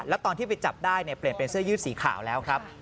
แล้วตอนที่ไปจับได้เนี่ยเปลี่ยนเป็นเสื้อยืดสีขาวแล้วครับ